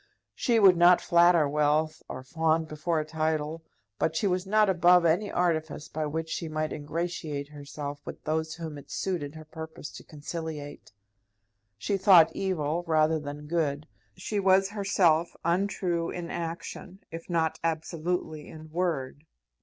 She would not flatter wealth or fawn before a title, but she was not above any artifice by which she might ingratiate herself with those whom it suited her purpose to conciliate. She thought evil rather than good. She was herself untrue in action, if not absolutely in word.